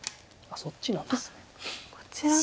そっちなんですね。